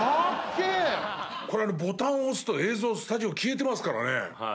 これボタンを押すと映像スタジオ消えてますからね。